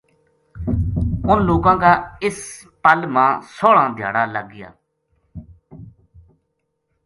انھ لوکاں کا اس پل ما سوہلاں دھیاڑا لگ گیا